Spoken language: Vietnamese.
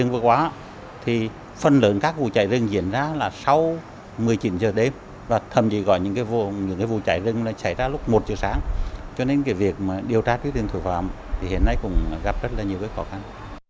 và thầm gì gọi những vụ cháy rừng nó cháy ra lúc một giờ sáng cho nên việc điều trát với tỉnh thủy văn hiện nay cũng gặp rất nhiều khó khăn